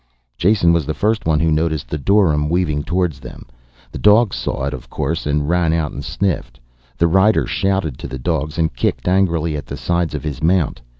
Jason was the first one who noticed the dorym weaving towards them. The dogs saw it, of course, and ran out and sniffed. The rider shouted to the dogs and kicked angrily at the sides of his mount.